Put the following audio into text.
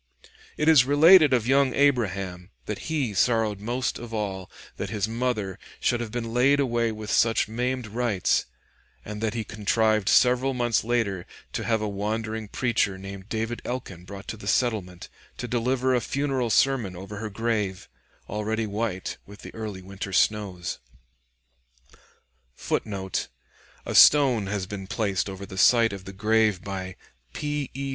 It is related of young Abraham, that he sorrowed most of all that his mother should have been laid away with such maimed rites, and that he contrived several months later to have a wandering preacher named David Elkin brought to the settlement, to deliver a funeral sermon over her grave, already white with the early winter snows. [Footnote: A stone has been placed over the site of the grave "by P. E.